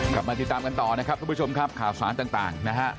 กลับมาติดตามกันต่อนะครับทุกผู้ชมครับข่าวสารต่างนะฮะ